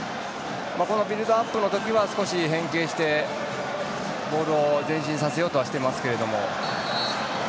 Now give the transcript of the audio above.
このビルドアップの時には少し変形して、ボールを前進させようとはしてますけど。